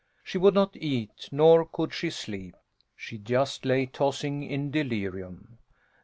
She would not eat, nor could she sleep; she just lay tossing in delirium.